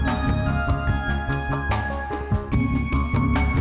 sama sambal dadak